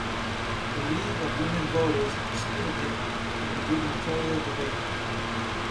The League of Women Voters excluded him from the gubernatorial debate.